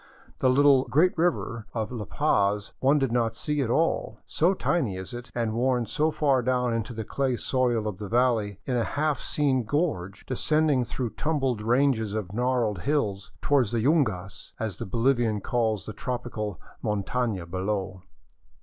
The little " Great River "of La Paz one did not see at all, so tiny is it and worn so far down into the clay soil of the valley in a half seen gorge descending through tumbled ranges of gnarled hills toward the yiingas, as the Bolivian calls the tropical montana, below.